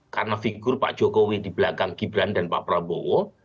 karena figur pak jokowi di belakang gibran dan pak prabowo